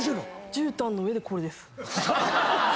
じゅうたんの上でこれです。